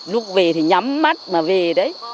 lúc về thì nhắm mắt mà về đấy